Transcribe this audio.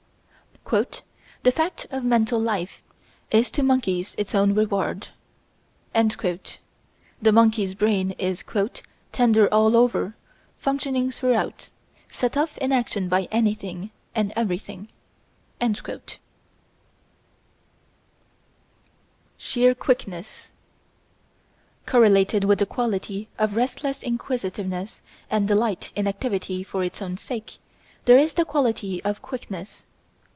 "The fact of mental life is to monkeys it own reward." The monkey's brain is "tender all over, functioning throughout, set off in action by anything and everything." Sheer Quickness Correlated with the quality of restless inquisitiveness and delight in activity for its own sake there is the quality of quickness.